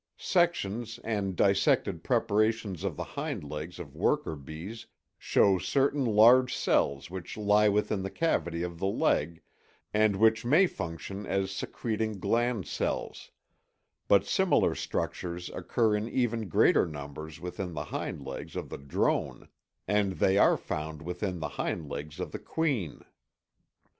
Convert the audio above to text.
Sections and dissected preparations of the hind legs of worker bees show certain large cells which lie within the cavity of the leg and which may function as secreting gland cells; but similar structures occur in even greater numbers within the hind legs of the drone and they are found within the hind legs of the queen.